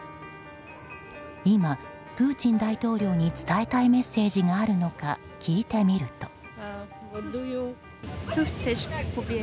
今、プーチン大統領に伝えたいメッセージがあるのか聞いてみると。